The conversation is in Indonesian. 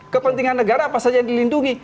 kepentingan negara apa saja yang dilindungi